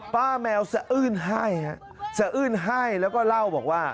ป้าแมวจะเอิ้นไห้แล้วก็เล่าบอกว่า